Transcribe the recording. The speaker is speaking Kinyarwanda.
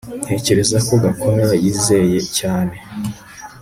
Ntekereza ko Gakwaya yizeye cyane